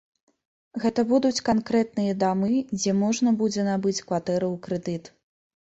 Гэта будуць канкрэтныя дамы, дзе можна будзе набыць кватэру ў крэдыт.